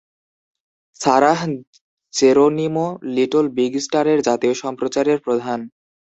Sarah Geronimo Little Big স্টারের জাতীয় সম্প্রচারের প্রধান।